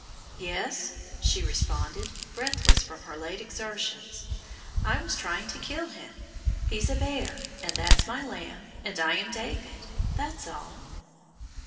"Yes," she responded, breathless from her late exertions, "I was trying to kill him! He's a bear, and that's my lamb, and I am David; that's all."